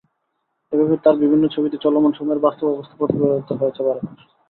এভাবে তাঁর বিভিন্ন ছবিতে চলমান সময়ের বাস্তব অবস্থা প্রতিফলিত হয়েছে বারবার।